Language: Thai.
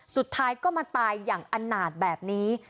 สุดท้ายก็มาตายอย่างอนาจแบบนี้